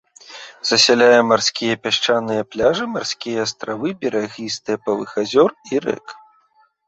Засяляе марскія пясчаныя пляжы, марскія астравы, берагі стэпавых азёр і рэк.